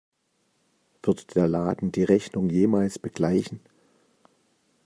Wird der Laden die Rechnung jemals begleichen?